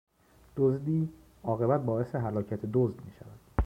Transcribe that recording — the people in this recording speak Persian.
دزدی، عاقبت باعث هلاکت دزد میشود